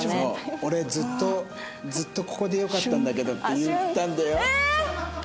「俺ずっとここでよかったんだけど」って言ったんだよ。